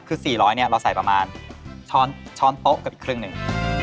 คือ๔๐๐เนี่ยเราใส่ประมาณช้อนโต๊ะกับอีกครึ่งหนึ่ง